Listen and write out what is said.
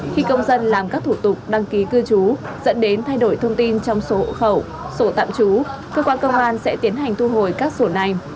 khi công dân làm các thủ tục đăng ký cư trú dẫn đến thay đổi thông tin trong số hộ khẩu sổ tạm trú cơ quan công an sẽ tiến hành thu hồi các sổ này